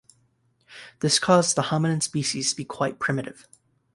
This caused the hominin species to be quite primitive.